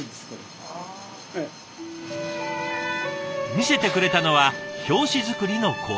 見せてくれたのは表紙作りの工程。